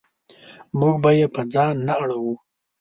موږ به یې په ځان نه اړوو.